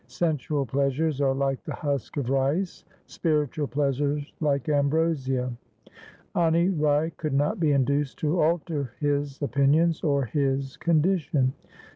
Sensual pleasures are like the husk of rice, spiritual pleasures like am brosia.' Ani Rai could not be induced to alter his opinions or his condition.